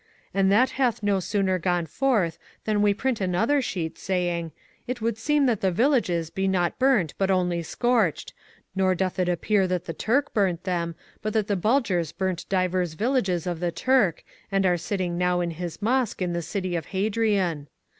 And that hath no sooner gone forth than we print another sheet saying, 'It would seem that the villages be not burnt but only scorched, nor doth it appear that the Turk burnt them but that the Bulgars burnt divers villages of the Turk and are sitting now in his mosque in the city of Hadrian.'